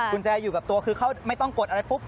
คุณแจอยู่กับตัวคือเขาไม่ต้องกดอะไรปุ๊บ